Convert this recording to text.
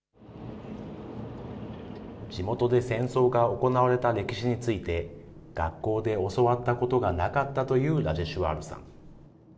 地元で戦争が行われた歴史について、学校で教わったことがなかったというラジェシュワールさん。